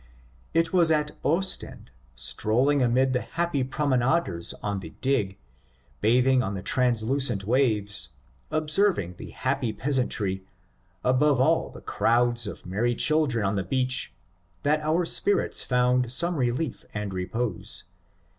It was at Ostend, strolling amid the happy promenaders on the Digue, bathing in the translucent waves, observing CAIRNES, MILL, AND FAWCETT 15 the happy peasantry, above all the crowds of merry children on the beach, that our spirits found some relief and repose.